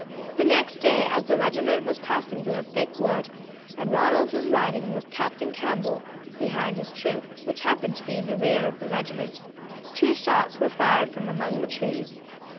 The next day, as the regiment was passing through a thick wood, and Ronald was riding with Captain Campbell behind his troop, which happened to be in the rear in the regiment, two shots were fired from among the trees.